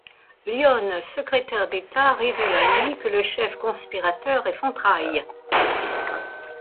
Lionne, secrétaire d'État, révèle à Louis que le chef conspirateur est Fontrailles.